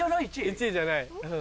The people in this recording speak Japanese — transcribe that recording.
１位じゃない？